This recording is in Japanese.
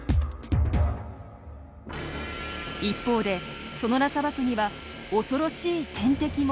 一方でソノラ砂漠には恐ろしい天敵もたくさんいます。